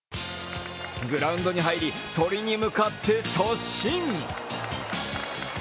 グラウンドに入り、鳥に向かって突進。